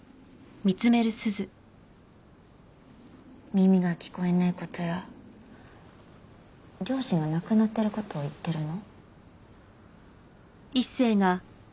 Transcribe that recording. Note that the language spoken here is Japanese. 耳が聞こえない事や両親が亡くなってる事を言ってるの？